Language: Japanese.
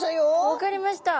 分かりました。